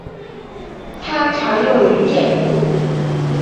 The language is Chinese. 它常用于电镀。